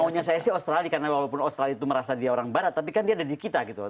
maunya saya sih australia karena walaupun australia itu merasa dia orang barat tapi kan dia ada di kita gitu